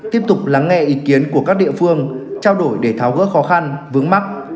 tiếp tục lắng nghe ý kiến của các địa phương trao đổi để tháo gỡ khó khăn vướng mắt